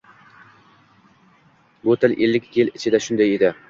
Bu til ellik yil ichida shunday edi.